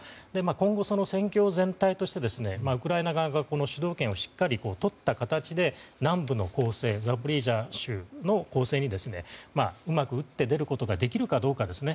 今後、その戦況全体としてウクライナ側が主導権をしっかりとった形で南部の攻勢ザポリージャ州の攻勢にうまく打って出ることができるかどうかですね。